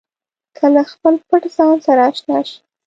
که له خپل پټ ځان سره اشنا شئ.